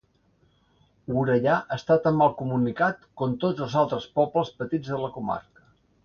Orellà està tan mal comunicat com tots els altres pobles petits de la comarca.